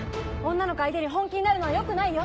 女の子相手に本気になるのは良くないよ。